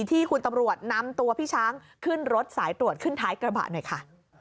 ที่คุณตำรวจนำตัวพี่ช้างขึ้นรถสายตรวจขึ้นท้ายกระบะหน่อยค่ะ